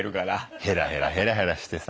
ヘラヘラヘラヘラしてさ。